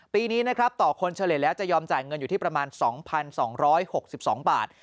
ปีนี้นะครับต่อคนเฉลี่ยแล้วจะยอมจ่ายเงินอยู่ที่ประมาณ๒๒๖๒บาท